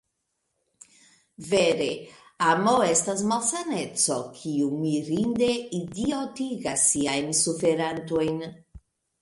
Vere, amo estas malsaneco, kiu mirinde idiotigas siajn suferantojn!